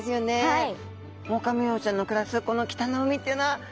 はい。